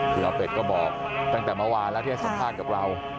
คืออาเป็ดก็บอกตั้งแต่เมื่อวานแล้วที่ให้สัมภาษณ์กับเรา